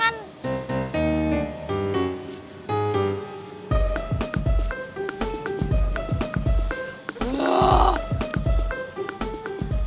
siapa tepuk tangan